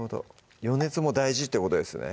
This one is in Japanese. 余熱も大事ってことですね